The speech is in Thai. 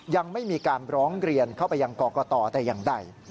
ยังไม่มีการร้องเรียนเข้าไปยังกรกตแต่อย่างใด